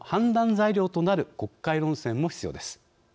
材料となる国会論戦も必要です。